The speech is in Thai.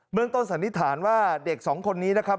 เมืองต้นสันนิษฐานว่าเด็กสองคนนี้นะครับ